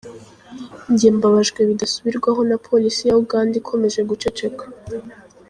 Njye mbabajwe bidasubirwaho na polisi ya Uganda ikomeje guceceka.